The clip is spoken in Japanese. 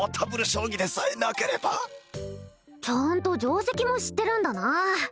将棋でさえなければちゃんと定跡も知ってるんだな